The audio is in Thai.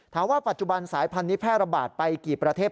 ถามว่าปัจจุบันสายพันธุนี้แพร่ระบาดไปกี่ประเทศ